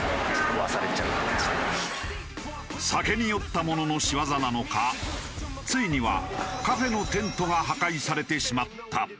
酒に酔った者の仕業なのかついにはカフェのテントが破壊されてしまった。